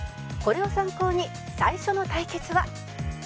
これを参考に最初の対決は